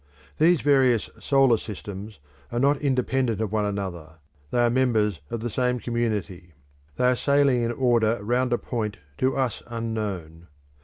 These various solar systems are not independent of one another they are members of the same community. They are sailing in order round a point to us unknown.